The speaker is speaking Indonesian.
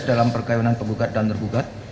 dalam perkawinan penggugat dan tergugat